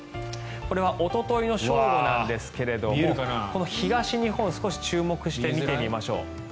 これはおとといの正午なんですがこの東日本、少し注目して見てみましょう。